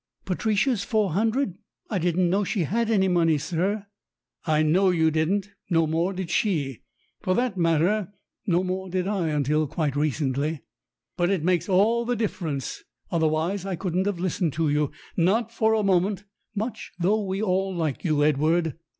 "Patricia's four hundred! I didn't know she had any money, sir." "I know you didn't. No more did she. For that matter, no more did I until until quite recently. But it makes all the difference, otherwise I couldn't have listened to you not for a moment much though we all like you, Edward.